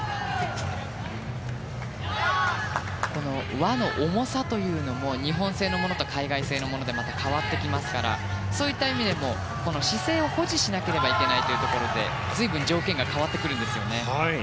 輪の重さというのも日本製のものと海外製のものでまた変わってきますからそういった意味でも姿勢を保持しなければいけないというところで随分条件が変わってくるんですよね。